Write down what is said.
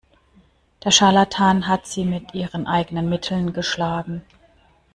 Der Scharlatan hat sie mit ihren eigenen Mitteln geschlagen.